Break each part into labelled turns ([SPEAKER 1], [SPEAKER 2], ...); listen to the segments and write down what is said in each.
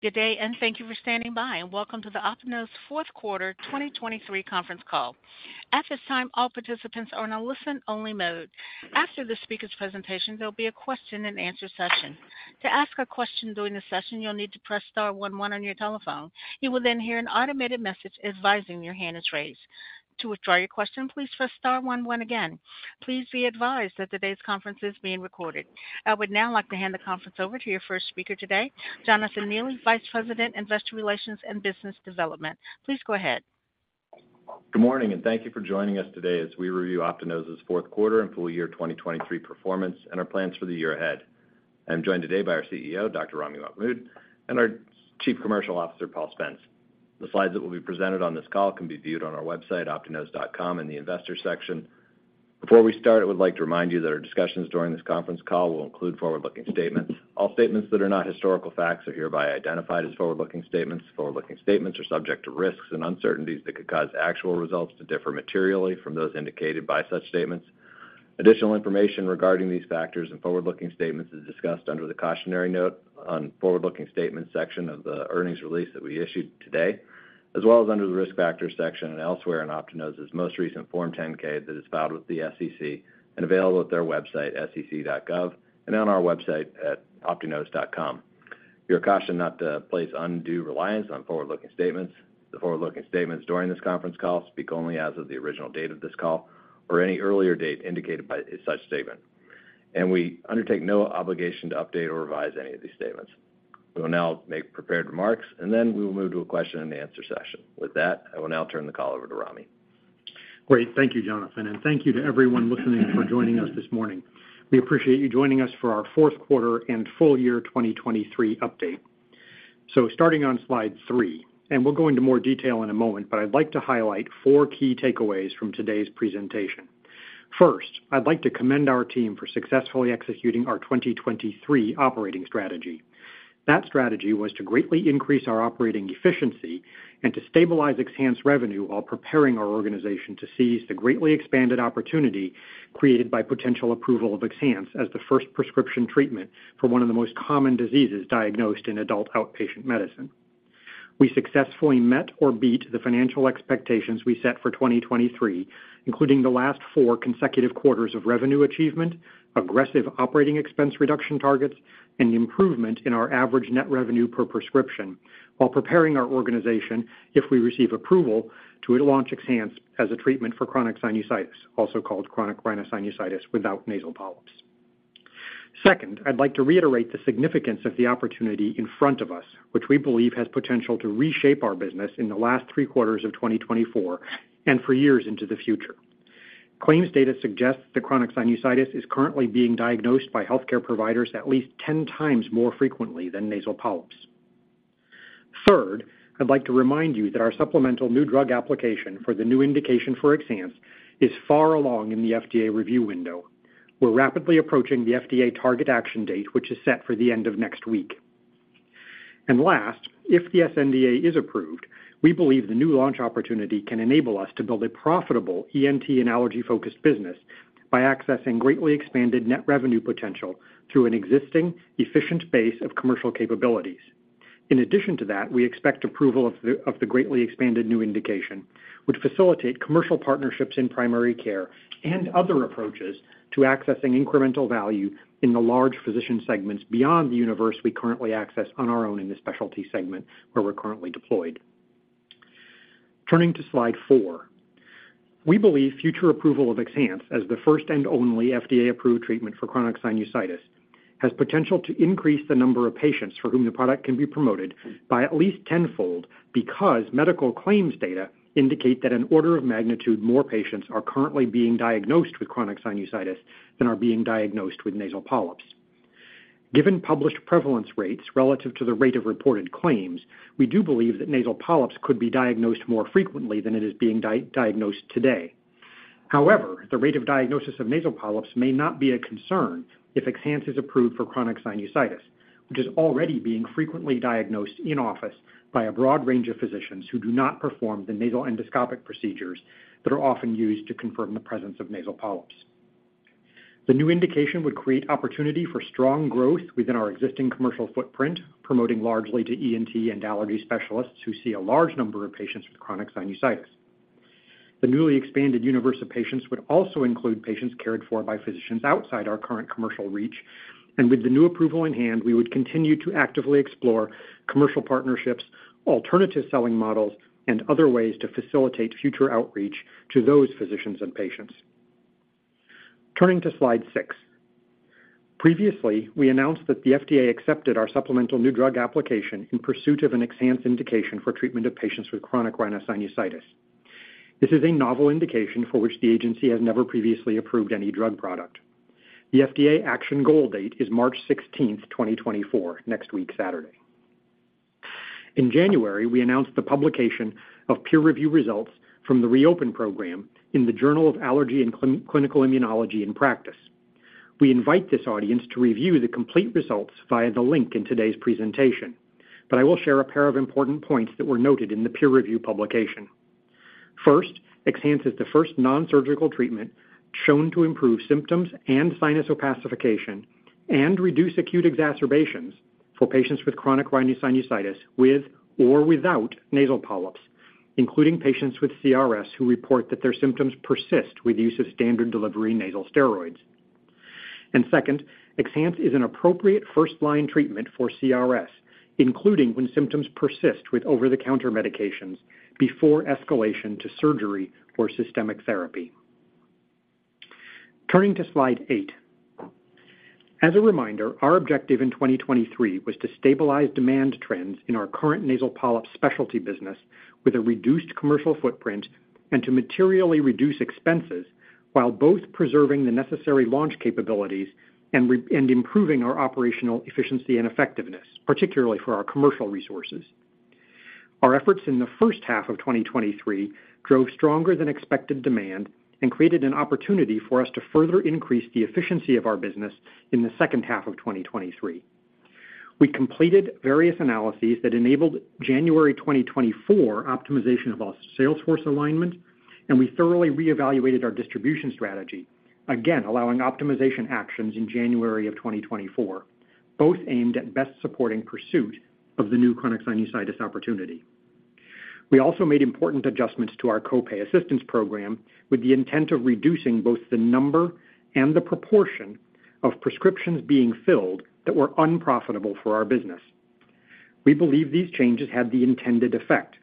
[SPEAKER 1] Good day, and thank you for standing by, and welcome to the OptiNose fourth quarter 2023 conference call. At this time, all participants are in a listen-only mode. After the speaker's presentation, there'll be a question-and-answer session. To ask a question during the session, you'll need to press star one, one on your telephone. You will then hear an automated message advising your hand is raised. To withdraw your question, please press star 11 again. Please be advised that today's conference is being recorded. I would now like to hand the conference over to your first speaker today, Jonathan Neely, Vice President, Investor Relations and Business Development. Please go ahead.
[SPEAKER 2] Good morning, and thank you for joining us today as we review OptiNose's fourth quarter and full year 2023 performance and our plans for the year ahead. I'm joined today by our CEO, Dr. Ramy Mahmoud, and our Chief Commercial Officer, Paul Spence. The slides that will be presented on this call can be viewed on our website, optinose.com, in the Investor section. Before we start, I would like to remind you that our discussions during this conference call will include forward-looking statements. All statements that are not historical facts are hereby identified as forward-looking statements. Forward-looking statements are subject to risks and uncertainties that could cause actual results to differ materially from those indicated by such statements. Additional information regarding these factors and forward-looking statements is discussed under the cautionary note on the forward-looking statements section of the earnings release that we issued today, as well as under the risk factors section and elsewhere in OptiNose's most recent Form 10-K that is filed with the SEC and available at their website, sec.gov, and on our website at optinose.com. You're cautioned not to place undue reliance on forward-looking statements. The forward-looking statements during this conference call speak only as of the original date of this call or any earlier date indicated by such statement. We undertake no obligation to update or revise any of these statements. We will now make prepared remarks, and then we will move to a question-and-answer session. With that, I will now turn the call over to Ramy.
[SPEAKER 3] Great. Thank you, Jonathan, and thank you to everyone listening for joining us this morning. We appreciate you joining us for our fourth quarter and full year 2023 update. Starting on slide three, and we'll go into more detail in a moment, but I'd like to highlight four key takeaways from today's presentation. First, I'd like to commend our team for successfully executing our 2023 operating strategy. That strategy was to greatly increase our operating efficiency and to stabilize XHANCE revenue while preparing our organization to seize the greatly expanded opportunity created by potential approval of XHANCE as the first prescription treatment for one of the most common diseases diagnosed in adult outpatient medicine. We successfully met or beat the financial expectations we set for 2023, including the last four consecutive quarters of revenue achievement, aggressive operating expense reduction targets, and improvement in our average net revenue per prescription while preparing our organization, if we receive approval, to launch XHANCE as a treatment for chronic sinusitis, also called chronic rhinosinusitis, without nasal polyps. Second, I'd like to reiterate the significance of the opportunity in front of us, which we believe has potential to reshape our business in the last three quarters of 2024 and for years into the future. Claims data suggests that chronic sinusitis is currently being diagnosed by healthcare providers at least 10 times more frequently than nasal polyps. Third, I'd like to remind you that our supplemental new drug application for the new indication for XHANCE is far along in the FDA review window. We're rapidly approaching the FDA target action date, which is set for the end of next week. Last, if the SNDA is approved, we believe the new launch opportunity can enable us to build a profitable ENT and allergy-focused business by accessing greatly expanded net revenue potential through an existing, efficient base of commercial capabilities. In addition to that, we expect approval of the greatly expanded new indication, which facilitates commercial partnerships in primary care and other approaches to accessing incremental value in the large physician segments beyond the universe we currently access on our own in the specialty segment where we're currently deployed. Turning to slide four, we believe future approval of XHANCE as the first and only FDA-approved treatment for chronic sinusitis has potential to increase the number of patients for whom the product can be promoted by at least tenfold because medical claims data indicate that an order of magnitude more patients are currently being diagnosed with chronic sinusitis than are being diagnosed with nasal polyps. Given published prevalence rates relative to the rate of reported claims, we do believe that nasal polyps could be diagnosed more frequently than it is being diagnosed today. However, the rate of diagnosis of nasal polyps may not be a concern if XHANCE is approved for chronic sinusitis, which is already being frequently diagnosed in office by a broad range of physicians who do not perform the nasal endoscopic procedures that are often used to confirm the presence of nasal polyps. The new indication would create opportunity for strong growth within our existing commercial footprint, promoting largely to ENT and allergy specialists who see a large number of patients with chronic sinusitis. The newly expanded universe of patients would also include patients cared for by physicians outside our current commercial reach. And with the new approval in hand, we would continue to actively explore commercial partnerships, alternative selling models, and other ways to facilitate future outreach to those physicians and patients. Turning to slide 6, previously, we announced that the FDA accepted our supplemental new drug application in pursuit of an XHANCE indication for treatment of patients with chronic rhinosinusitis. This is a novel indication for which the agency has never previously approved any drug product. The FDA action goal date is March 16, 2024, next week Saturday. In January, we announced the publication of peer review results from the ReOpen program in the Journal of Allergy and Clinical Immunology in Practice. We invite this audience to review the complete results via the link in today's presentation. I will share a pair of important points that were noted in the peer review publication. First, XHANCE is the first nonsurgical treatment shown to improve symptoms and sinus opacification and reduce acute exacerbations for patients with chronic rhinosinusitis with or without nasal polyps, including patients with CRS who report that their symptoms persist with use of standard delivery nasal steroids. Second, XHANCE is an appropriate first-line treatment for CRS, including when symptoms persist with over-the-counter medications before escalation to surgery or systemic therapy. Turning to slide eight, as a reminder, our objective in 2023 was to stabilize demand trends in our current nasal polyp specialty business with a reduced commercial footprint and to materially reduce expenses while both preserving the necessary launch capabilities and improving our operational efficiency and effectiveness, particularly for our commercial resources. Our efforts in the first half of 2023 drove stronger than expected demand and created an opportunity for us to further increase the efficiency of our business in the second half of 2023. We completed various analyses that enabled January 2024 optimization of our Sales force alignment, and we thoroughly reevaluated our distribution strategy, again allowing optimization actions in January of 2024, both aimed at best supporting pursuit of the new chronic sinusitis opportunity. We also made important adjustments to our copay assistance program with the intent of reducing both the number and the proportion of prescriptions being filled that were unprofitable for our business. We believe these changes had the intended effect,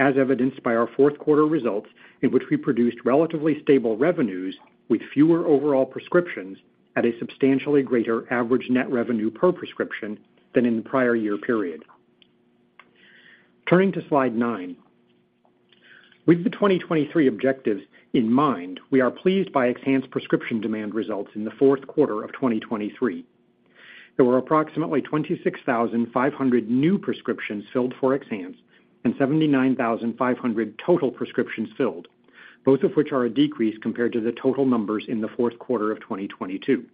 [SPEAKER 3] as evidenced by our fourth quarter results in which we produced relatively stable revenues with fewer overall prescriptions at a substantially greater average net revenue per prescription than in the prior year period. Turning to slide nine, with the 2023 objectives in mind, we are pleased by XHANCE prescription demand results in the fourth quarter of 2023. There were approximately 26,500 new prescriptions filled for XHANCE and 79,500 total prescriptions filled, both of which are a decrease compared to the total numbers in the fourth quarter of 2022.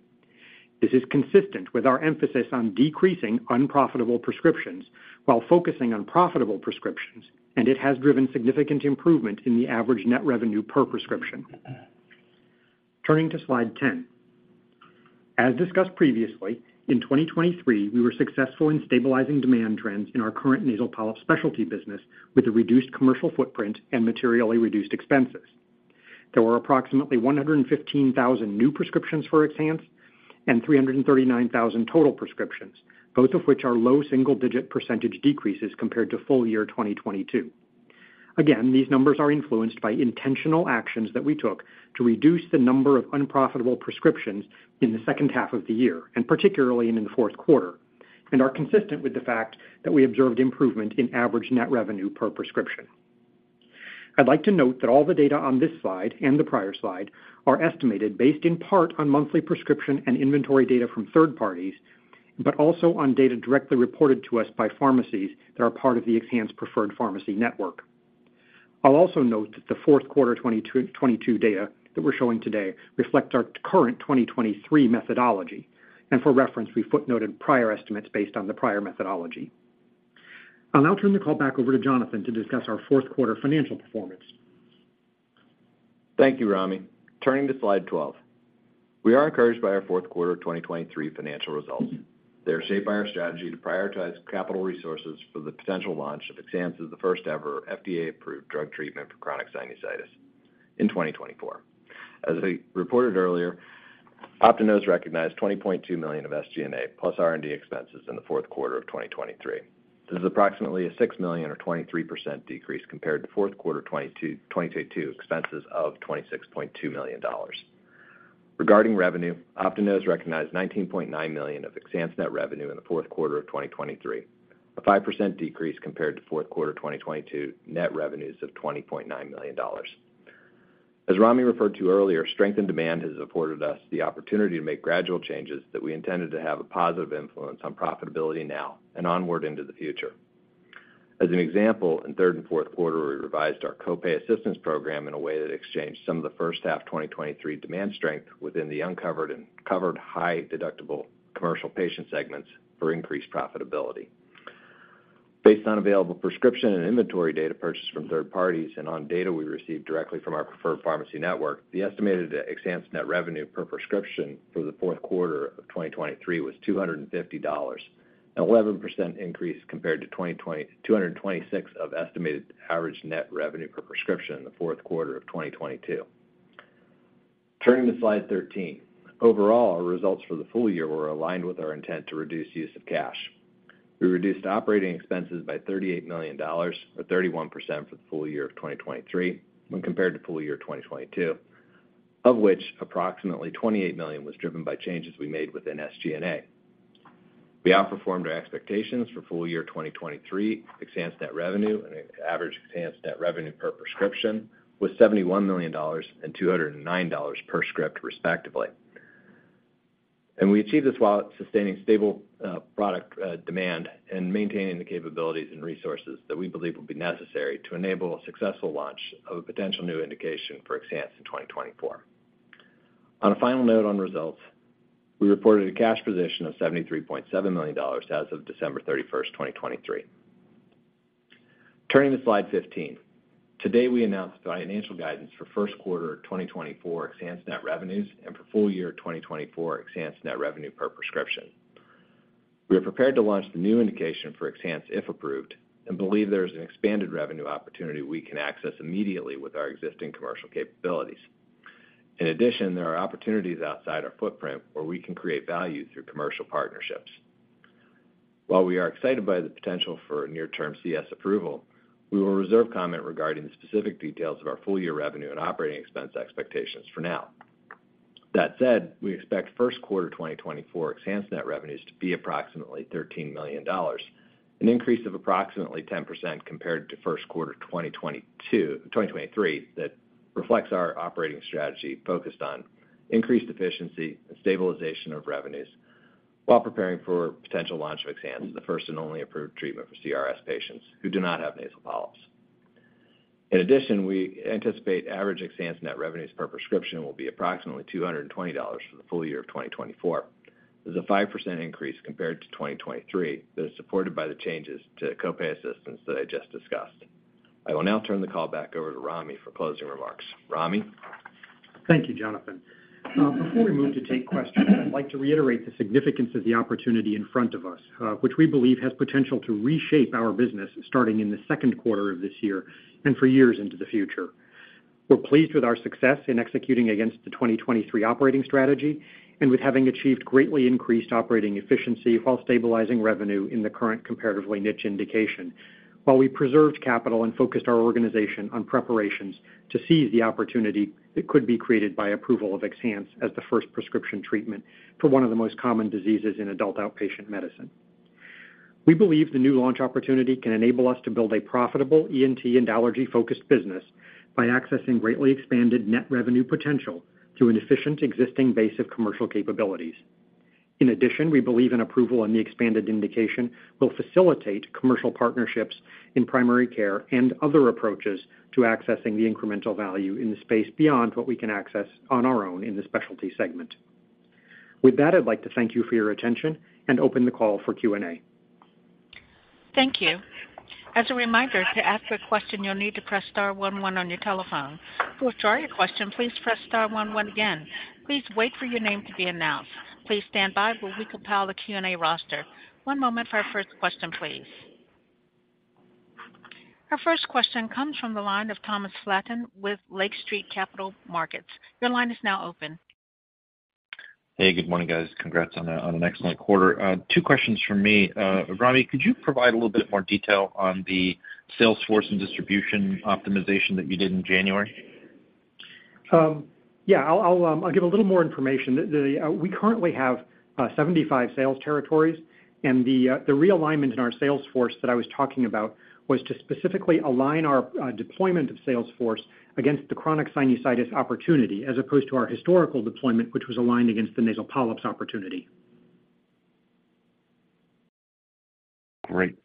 [SPEAKER 3] This is consistent with our emphasis on decreasing unprofitable prescriptions while focusing on profitable prescriptions, and it has driven significant improvement in the average net revenue per prescription. Turning to slide 10, as discussed previously, in 2023, we were successful in stabilizing demand trends in our current nasal polyp specialty business with a reduced commercial footprint and materially reduced expenses. There were approximately 115,000 new prescriptions for XHANCE and 339,000 total prescriptions, both of which are low single-digit % decreases compared to full year 2022. Again, these numbers are influenced by intentional actions that we took to reduce the number of unprofitable prescriptions in the second half of the year, and particularly in the fourth quarter, and are consistent with the fact that we observed improvement in average net revenue per prescription. I'd like to note that all the data on this slide and the prior slide are estimated based in part on monthly prescription and inventory data from third parties, but also on data directly reported to us by pharmacies that are part of the XHANCE Preferred Pharmacy network. I'll also note that the fourth quarter 2022 data that we're showing today reflect our current 2023 methodology. For reference, we footnoted prior estimates based on the prior methodology. I'll now turn the call back over to Jonathan to discuss our fourth quarter financial performance.
[SPEAKER 2] Thank you, Ramy. Turning to slide 12, we are encouraged by our fourth quarter 2023 financial results. They are shaped by our strategy to prioritize capital resources for the potential launch of XHANCE's first-ever FDA-approved drug treatment for chronic sinusitis in 2024. As I reported earlier, Optinose recognized $20.2 million of SG&A plus R&D expenses in the fourth quarter of 2023. This is approximately a $6 million or 23% decrease compared to fourth quarter 2022 expenses of $26.2 million. Regarding revenue, Optinose recognized $19.9 million of XHANCE net revenue in the fourth quarter of 2023, a 5% decrease compared to fourth quarter 2022 net revenues of $20.9 million. As Ramy referred to earlier, strength in demand has afforded us the opportunity to make gradual changes that we intended to have a positive influence on profitability now and onward into the future. As an example, in third and fourth quarter, we revised our copay assistance program in a way that exchanged some of the first half 2023 demand strength within the uncovered and covered high deductible commercial patient segments for increased profitability. Based on available prescription and inventory data purchased from third parties and on data we received directly from our preferred pharmacy network, the estimated XHANCE net revenue per prescription for the fourth quarter of 2023 was $250, an 11% increase compared to $226 of estimated average net revenue per prescription in the fourth quarter of 2022. Turning to slide 13, overall, our results for the full year were aligned with our intent to reduce use of cash. We reduced operating expenses by $38 million or 31% for the full year of 2023 when compared to full year 2022, of which approximately $28 million was driven by changes we made within SG&A. We outperformed our expectations for full year 2023 XHANCE net revenue and average XHANCE net revenue per prescription with $71 million and $209 per script, respectively. We achieved this while sustaining stable product demand and maintaining the capabilities and resources that we believe will be necessary to enable a successful launch of a potential new indication for XHANCE in 2024. On a final note on results, we reported a cash position of $73.7 million as of December 31, 2023. Turning to slide 15, today we announced financial guidance for first quarter 2024 XHANCE net revenues and for full year 2024 XHANCE net revenue per prescription. We are prepared to launch the new indication for XHANCE, if approved, and believe there is an expanded revenue opportunity we can access immediately with our existing commercial capabilities. In addition, there are opportunities outside our footprint where we can create value through commercial partnerships. While we are excited by the potential for near-term CRS approval, we will reserve comment regarding the specific details of our full year revenue and operating expense expectations for now. That said, we expect first quarter 2024 XHANCE net revenues to be approximately $13 million, an increase of approximately 10% compared to first quarter 2023 that reflects our operating strategy focused on increased efficiency and stabilization of revenues while preparing for potential launch of XHANCE, the first and only approved treatment for CRS patients who do not have nasal polyps. In addition, we anticipate average XHANCE net revenues per prescription will be approximately $220 for the full year of 2024. This is a 5% increase compared to 2023 that is supported by the changes to copay assistance that I just discussed. I will now turn the call back over to Ramy for closing remarks. Ramy.
[SPEAKER 3] Thank you, Jonathan. Before we move to take questions, I'd like to reiterate the significance of the opportunity in front of us, which we believe has potential to reshape our business starting in the second quarter of this year and for years into the future. We're pleased with our success in executing against the 2023 operating strategy and with having achieved greatly increased operating efficiency while stabilizing revenue in the current comparatively niche indication, while we preserved capital and focused our organization on preparations to seize the opportunity that could be created by approval of XHANCE as the first prescription treatment for one of the most common diseases in adult outpatient medicine. We believe the new launch opportunity can enable us to build a profitable ENT and allergy-focused business by accessing greatly expanded net revenue potential through an efficient existing base of commercial capabilities. In addition, we believe an approval on the expanded indication will facilitate commercial partnerships in primary care and other approaches to accessing the incremental value in the space beyond what we can access on our own in the specialty segment. With that, I'd like to thank you for your attention and open the call for Q&A.
[SPEAKER 1] Thank you. As a reminder, to ask a question, you'll need to press star one, one on your telephone. To withdraw your question, please press star one, one again. Please wait for your name to be announced. Please stand by while we compile the Q&A roster. One moment for our first question, please. Our first question comes from the line of Thomas Flaten with Lake Street Capital Markets. Your line is now open.
[SPEAKER 4] Hey, good morning, guys. Congrats on an excellent quarter. Two questions from me. Ramy, could you provide a little bit more detail on the sales force and distribution optimization that you did in January?
[SPEAKER 3] Yeah, I'll give a little more information. We currently have 75 sales territories, and the realignment in our sales force that I was talking about was to specifically align our deployment of sales force against the chronic sinusitis opportunity as opposed to our historical deployment, which was aligned against the nasal polyps opportunity.
[SPEAKER 4] Great.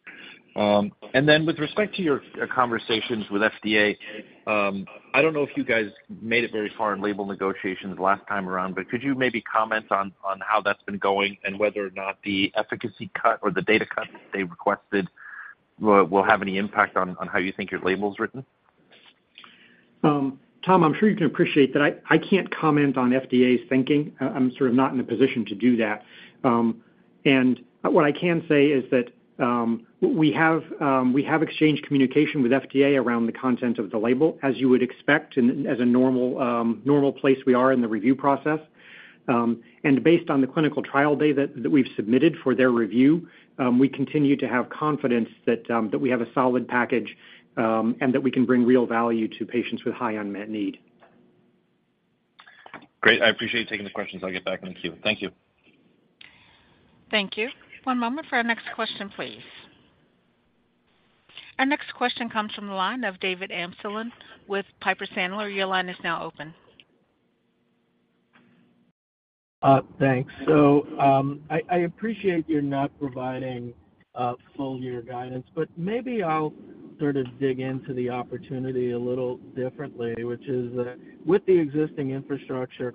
[SPEAKER 4] And then with respect to your conversations with FDA, I don't know if you guys made it very far in label negotiations last time around, but could you maybe comment on how that's been going and whether or not the efficacy cut or the data cut they requested will have any impact on how you think your label is written?
[SPEAKER 3] Tom, I'm sure you can appreciate that. I can't comment on FDA's thinking. I'm sort of not in a position to do that. What I can say is that we have exchanged communication with FDA around the content of the label, as you would expect, and as a normal place we are in the review process. Based on the clinical trial data that we've submitted for their review, we continue to have confidence that we have a solid package and that we can bring real value to patients with high unmet need.
[SPEAKER 4] Great. I appreciate you taking the questions. I'll get back in the queue. Thank you.
[SPEAKER 1] Thank you. One moment for our next question, please. Our next question comes from the line of David Amsellem with Piper Sandler. Your line is now open.
[SPEAKER 5] Thanks. So I appreciate you're not providing full year guidance, but maybe I'll sort of dig into the opportunity a little differently, which is with the existing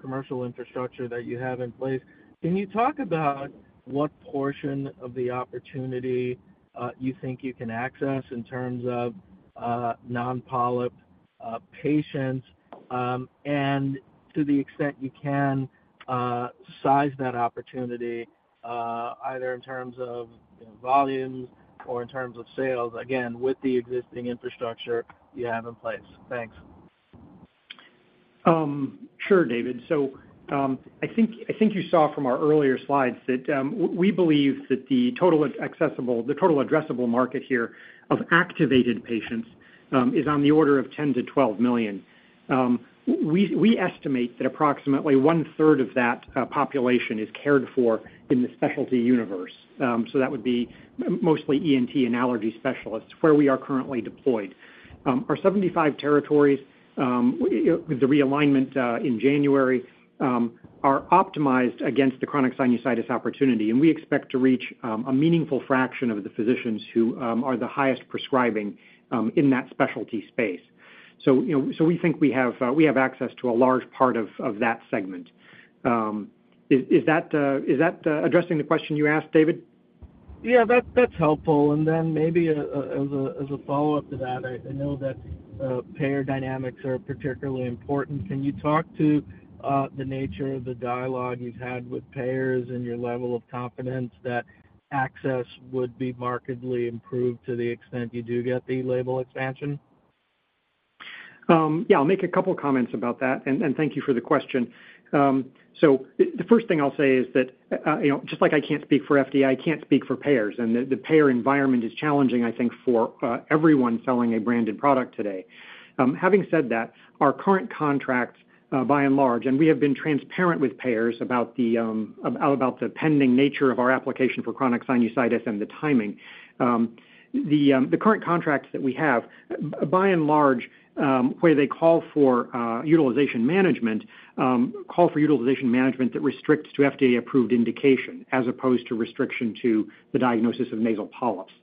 [SPEAKER 5] commercial infrastructure that you have in place, can you talk about what portion of the opportunity you think you can access in terms of non-poly patients and to the extent you can size that opportunity either in terms of volumes or in terms of sales, again, with the existing infrastructure you have in place? Thanks.
[SPEAKER 3] Sure, David. So I think you saw from our earlier slides that we believe that the total addressable market here of activated patients is on the order of 10-12 million. We estimate that approximately one-third of that population is cared for in the specialty universe. So that would be mostly ENT and allergy specialists where we are currently deployed. Our 75 territories with the realignment in January are optimized against the chronic sinusitis opportunity, and we expect to reach a meaningful fraction of the physicians who are the highest prescribing in that specialty space. So we think we have access to a large part of that segment. Is that addressing the question you asked, David?
[SPEAKER 5] Yeah, that's helpful. And then maybe as a follow-up to that, I know that payer dynamics are particularly important. Can you talk to the nature of the dialogue you've had with payers and your level of confidence that access would be markedly improved to the extent you do get the label expansion?
[SPEAKER 3] Yeah, I'll make a couple of comments about that. Thank you for the question. So the first thing I'll say is that just like I can't speak for FDA, I can't speak for payers. The payer environment is challenging, I think, for everyone selling a branded product today. Having said that, our current contracts, by and large, and we have been transparent with payers about the pending nature of our application for chronic sinusitis and the timing. The current contracts that we have, by and large, where they call for utilization management, call for utilization management that restricts to FDA-approved indication as opposed to restriction to the diagnosis of nasal polyps.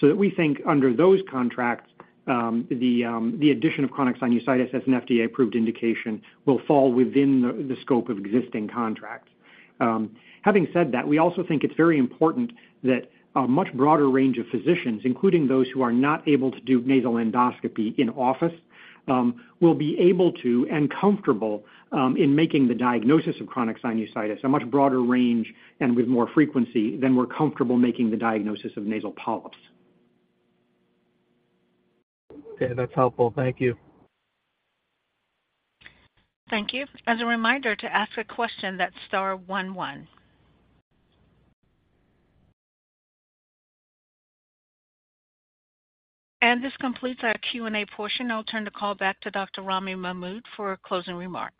[SPEAKER 3] So we think under those contracts, the addition of chronic sinusitis as an FDA-approved indication will fall within the scope of existing contracts. Having said that, we also think it's very important that a much broader range of physicians, including those who are not able to do nasal endoscopy in office, will be able to and comfortable in making the diagnosis of chronic sinusitis a much broader range and with more frequency than we're comfortable making the diagnosis of nasal polyps.
[SPEAKER 5] Okay, that's helpful. Thank you.
[SPEAKER 1] Thank you. As a reminder, to ask a question, that's star 11. This completes our Q&A portion. I'll turn the call back to Dr. Ramy Mahmoud for closing remarks.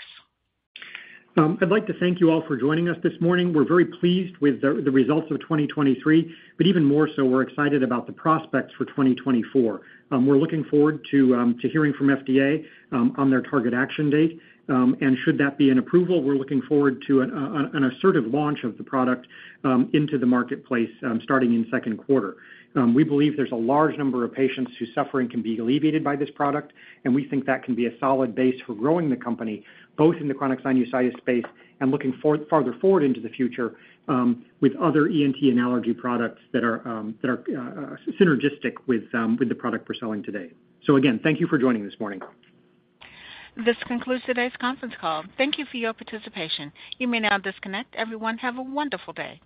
[SPEAKER 3] I'd like to thank you all for joining us this morning. We're very pleased with the results of 2023, but even more so, we're excited about the prospects for 2024. We're looking forward to hearing from FDA on their target action date. And should that be an approval, we're looking forward to an assertive launch of the product into the marketplace starting in second quarter. We believe there's a large number of patients whose suffering can be alleviated by this product, and we think that can be a solid base for growing the company, both in the chronic sinusitis space and looking farther forward into the future with other ENT and allergy products that are synergistic with the product we're selling today. So again, thank you for joining this morning.
[SPEAKER 1] This concludes today's conference call. Thank you for your participation. You may now disconnect. Everyone, have a wonderful day.